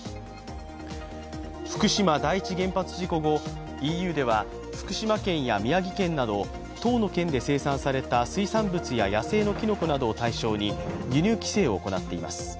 福島第一原発事故後、ＥＵでは福島県や宮城県など１０の県で生産された水産物や野生のきのこなどを対象に輸入規制を行っています。